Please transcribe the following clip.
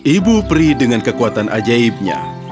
ibu pri dengan kekuatan ajaibnya